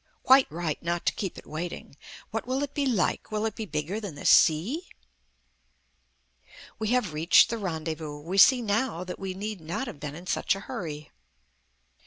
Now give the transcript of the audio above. Quite right not to keep it waiting. What will it be like? Will it be bigger than the sea? We have reached the rendezvous. We see now that we need not have been in such a hurry.